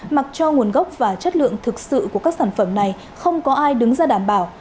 mặc cho nguồn gốc và chất lượng thực sự của các sản phẩm này không có ai đứng ra đảm bảo